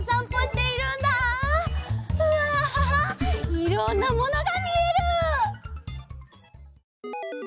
うわいろんなものがみえる！